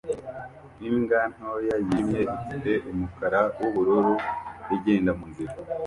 imbwa ntoya yijimye ifite umukara wubururu igenda munzira